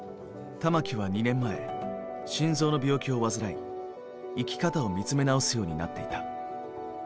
玉置は２年前心臓の病気を患い生き方を見つめ直すようになっていた。